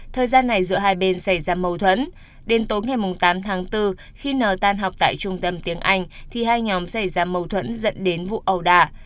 thời gian này giữa hai bên xảy ra mâu thuẫn đến tối ngày tám tháng bốn khi nờ tan học tại trung tâm tiếng anh thì hai nhóm xảy ra mâu thuẫn dẫn đến vụ ầu đà